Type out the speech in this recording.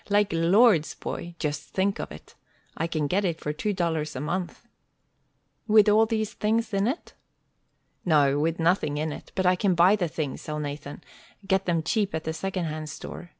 Like lords, boy! Just think of it! I can get it for two dollars a month." "With all these things in it?" "No, with nothing in it. But I can buy the things, Elnathan, get them cheap at the second hand store.